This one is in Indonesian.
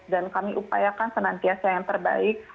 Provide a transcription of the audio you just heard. dan kami upayakan senantiasa yang terbaik